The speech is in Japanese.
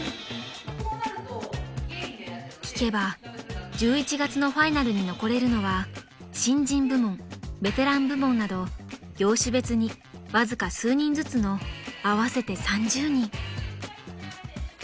［聞けば１１月のファイナルに残れるのは新人部門ベテラン部門など業種別にわずか数人ずつの合わせて３０人］